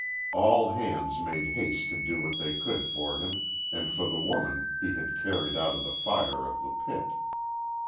All hands made haste to do what they could for him and for the woman he had carried out of the fire of the pit.